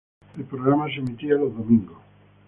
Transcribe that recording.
El programa se emitía los domingos.